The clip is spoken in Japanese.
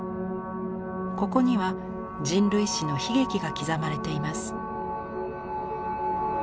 ここには人類史の悲劇が刻まれています。